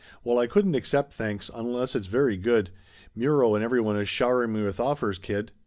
Well, I couldn't accept, thanks, unless it's very good. Mtiro and everyone is showering me with offers, kid